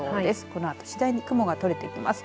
このあと次第に雲が取れてきます。